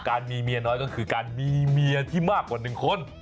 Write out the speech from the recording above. การมีเมียน้อยก็คือการมีเมียที่มากกว่า๑คน